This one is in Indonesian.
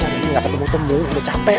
gak tertemu temu udah capek